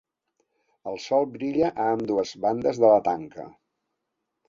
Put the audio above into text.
El sol brilla a ambdues bandes de la tanca.